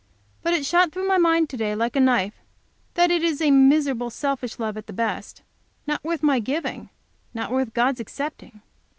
But it shot through my mind to day like a knife, that it is a miserable, selfish love at the best, not worth my giving, not worth God's accepting.